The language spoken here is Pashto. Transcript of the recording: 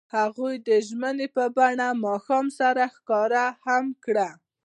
هغوی د ژمنې په بڼه ماښام سره ښکاره هم کړه.